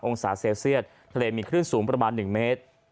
๒๒๓๓องศาเซลเซียสทะเลมีขึ้นสูงประมาณหนึ่งเมตร